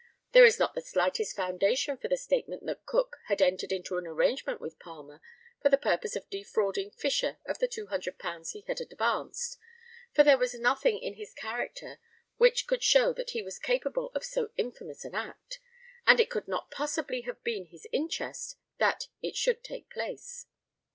There is not the slightest foundation for the statement that Cook had entered into an arrangement with Palmer for the purpose of defrauding Fisher of the £200 he had advanced; for there was nothing in his character which could show that he was capable of so infamous an act, and it could not possibly have been his interest that it should take place.